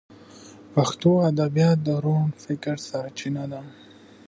پښتو ادبیات د روڼ فکر سرچینه ده.